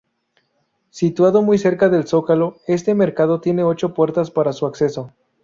Situado muy cerca del Zócalo este mercado tiene ocho puertas para su acceso.